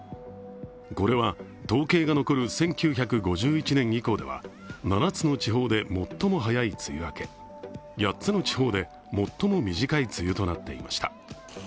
これは統計が残る１９５１年以降では、７つの地方で最も早い梅雨明け、８つの地方で最も短い梅雨となっていました。